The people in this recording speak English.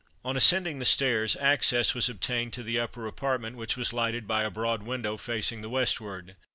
On ascending the stairs access was obtained to the upper apartment which was lighted by a broad window facing the westward.